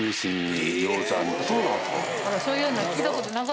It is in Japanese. そうなんですか？